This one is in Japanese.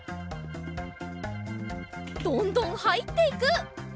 どんどんはいっていく！